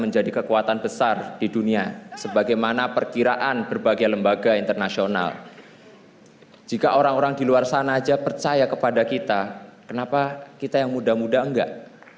jika orang orang di luar sana saja percaya kepada kita kenapa kita yang muda muda enggak